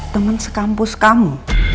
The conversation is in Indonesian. teman sekampus kamu